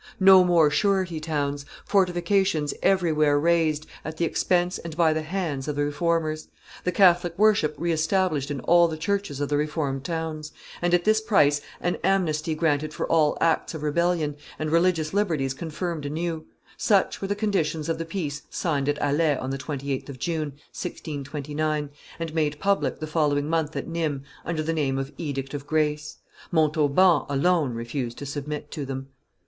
No more surety towns; fortifications everywhere razed, at the expense and by the hands of the Reformers; the Catholic worship re established in all the churches of the Reformed towns; and, at this price, an amnesty granted for all acts of rebellion, and religious liberties confirmed anew, such were the conditions of the peace signed at Alais on the 28th of June, 1629, and made public the following month at Nimes, under the name of Edict of Grace. Montauban alone refused to submit to them.